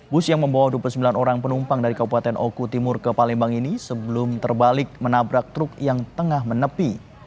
bus yang membawa dua puluh sembilan orang penumpang dari kabupaten oku timur ke palembang ini sebelum terbalik menabrak truk yang tengah menepi